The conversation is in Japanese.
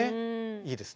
いいですね。